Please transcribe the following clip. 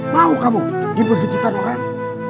mau kamu dipergitikan orang